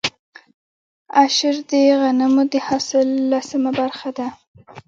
عشر د غنمو د حاصل لسمه برخه ده.